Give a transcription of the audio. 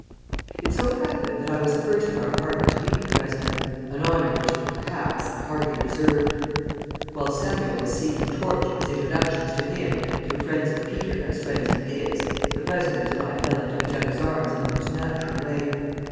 It so happened that I was the first of our party to meet the President, an honour which, perhaps, I hardly deserved. While Samuel was seeking tortuous introductions to him through friends of Peterhouse friends of his, the President and I fell into each other's arms in the most natural way.